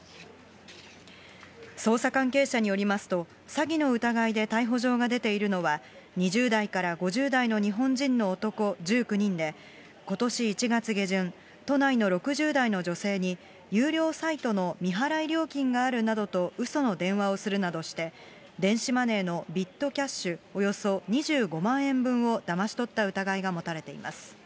捜査関係者によりますと、詐欺の疑いで逮捕状が出ているのは、２０代から５０代の日本人の男１９人で、ことし１月下旬、都内の６０代の女性に、有料サイトの未払い料金があるなどと、うその電話をするなどして、電子マネーのビットキャッシュおよそ２５万円分をだまし取った疑いが持たれています。